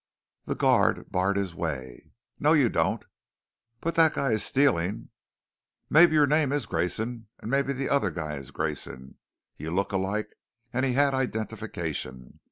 The guard barred his way. "No you don't!" "But that guy is stealing " "Maybe your name is Grayson and maybe the other guy is Grayson. You look alike and he had identification.